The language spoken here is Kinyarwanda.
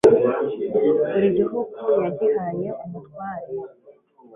buri gihugu yagihaye umutware